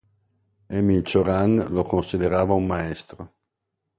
Emil Cioran lo considerava un maestro.